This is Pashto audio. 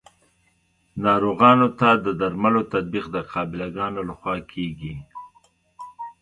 ناروغانو ته د درملو تطبیق د قابله ګانو لخوا کیږي.